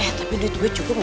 eh teman rusi mah ngerti